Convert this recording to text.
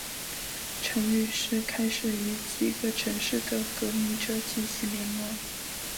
陈于是开始与几个城市的革命者进行联络。